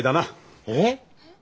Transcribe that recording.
えっ？